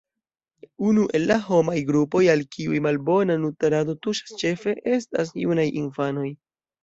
Unu el la homaj grupoj al kiuj malbona nutrado tuŝas ĉefe estas junaj infanoj.